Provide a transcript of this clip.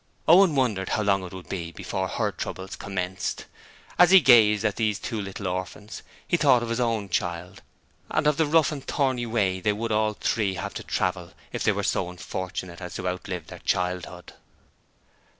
Owen wondered how long it would be before her troubles commenced. As he gazed at these two little orphans he thought of his own child, and of the rough and thorny way they would all three have to travel if they were so unfortunate as to outlive their childhood.